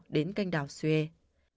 đến canh đảo suez